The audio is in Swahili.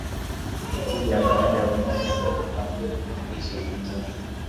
ilikuja baada ya umoja huo kumtambua kiongozi wa upinzani